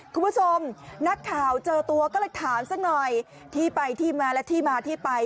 คุณผู้ชมนักข่าวเจอตัวก็เลยถามสักหน่อยที่ไปที่มาและที่มาที่ไป